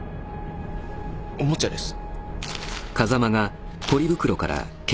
おもちゃです。